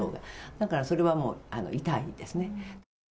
だからそれはもう痛いですね。